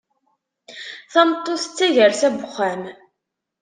Tameṭṭut d tagersa n uxxam.